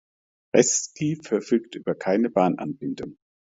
Reszki verfügt über keine Bahnanbindung.